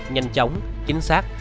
nhanh chóng chính xác